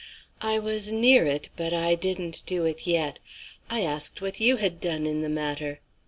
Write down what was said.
"I was near it, but I didn't do it yet. I asked what you had done in the matter.